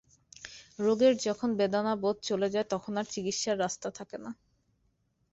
রোগের যখন বেদনাবোধ চলে যায় তখন আর চিকিৎসার রাস্তা থাকে না।